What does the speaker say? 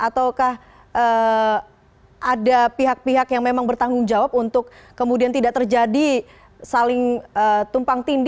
ataukah ada pihak pihak yang memang bertanggung jawab untuk kemudian tidak terjadi saling tumpang tindih